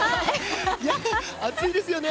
暑いですよね。